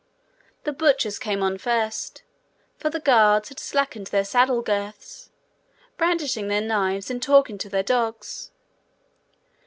The butchers came on first for the guards had slackened their saddle girths brandishing their knives, and talking to their dogs.